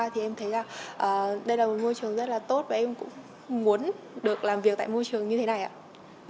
thì em thấy là đây là một môi trường rất là tốt và em cũng muốn được làm việc tại môi trường như thế này ạ